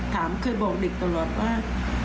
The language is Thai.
เคยบอกเด็กตลอดว่า